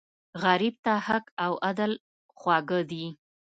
غریب ته حق او عدل خواږه دي